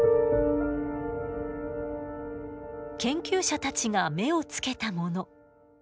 研究者たちが目をつけたもの